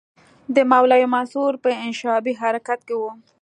د مولوي منصور په انشعابي حرکت کې وو.